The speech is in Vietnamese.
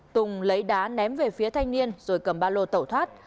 tùng lấy đá ném về phía thanh niên rồi cầm ba lô tẩu thoát